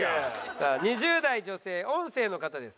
さあ２０代女性音声の方です。